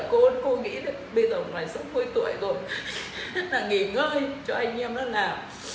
cuộc đời cô cô nghĩ bây giờ ngoài sáu mươi tuổi rồi là nghỉ ngơi cho anh em nó làm